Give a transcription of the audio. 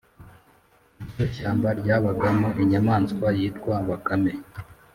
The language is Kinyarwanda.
iryo shyamba ryabagamo inyamaswa yitwa bakame